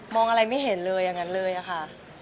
อะไรไม่เห็นเลยอย่างนั้นเลยอะค่ะ